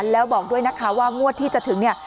แล้วบอกด้วยนะคะว่างวดที่จะถึงเนี่ย